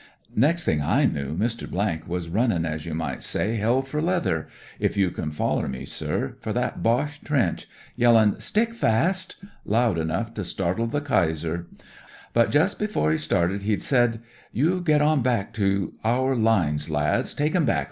Nex' thing I knew, Mr. was runnin' as you might say hell for leather — if you can foller me, sir — ^for that Boche trench, yellin' *' Stickfast !' loud enough to startle the Kayser. But jus' before he started he'd said, * You get on back to our lines, lads. Take 'em back.